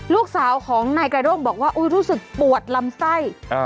ลูกสาวของนายกระด้งบอกว่ารู้สึกปวดลำไส้